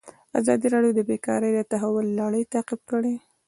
ازادي راډیو د بیکاري د تحول لړۍ تعقیب کړې.